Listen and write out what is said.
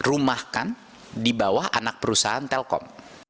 dirumahkan di bawah anak perusahaan telkom